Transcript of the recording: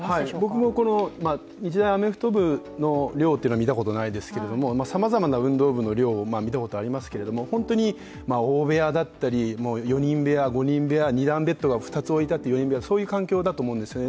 僕もこの日大アメフト部の寮というのは見たことないですけれどもさまざまな運動部の寮を見たことがありますけど、大部屋だったり４人部屋、５人部屋、２段ベッドが２つあって４人部屋、そういう環境だと思うんですね。